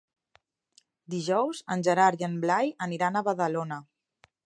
Dijous en Gerard i en Blai aniran a Badalona.